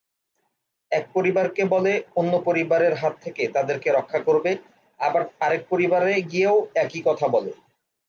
এক পরিবারকে বলে অন্য পরিবারের হাত থেকে তাদেরকে রক্ষা করবে, আবার আরেক পরিবারে গিয়েও একই কথা বলে।